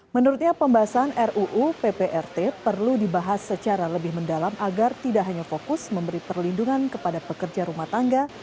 menurutnya pembahasan ruu pprt perlu dibahas secara lebih mendalam agar tidak hanya fokus memberi perlindungan kepada pekerja rumah tangga